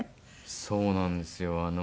そうなんですよ。